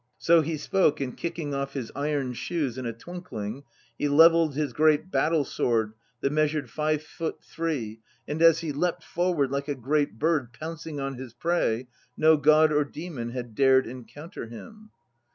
2 So he spoke and kicking off his iron shoes in a twinkling he levelled his great battle sword that measured five foot three, and as he leapt forward like a great bird pouncing on liis prey, no god or demon had dared encounter him.